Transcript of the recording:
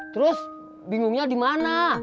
terus bingungnya di mana